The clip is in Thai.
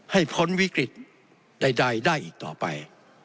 พ้นวิกฤตใดได้อีกต่อไป